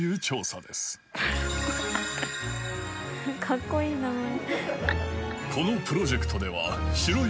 かっこいい名前！